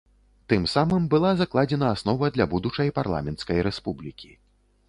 Тым самым была закладзена аснова для будучай парламенцкай рэспублікі.